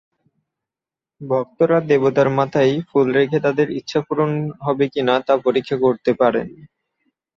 ভক্তরা দেবতার মাথায় ফুল রেখে তাদের ইচ্ছা পূরণ হবে কিনা তা পরীক্ষা করতে পারেন।